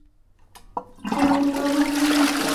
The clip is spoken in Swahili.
hailifahamu ni kuwa hapa Marondera ujio wake unatosha